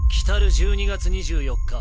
１２月２４日